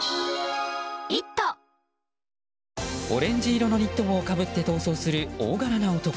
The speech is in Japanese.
オレンジ色のニット帽をかぶって逃走する大柄な男。